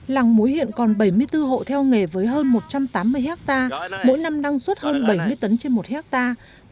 làng muối hiện còn bảy mươi bốn hộ theo nghề với hơn một trăm tám mươi hectare mỗi năm năng suất hơn bảy mươi tấn trên một hectare